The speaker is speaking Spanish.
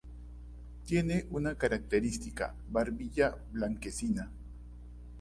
Tiene una característica barbilla blanquecina.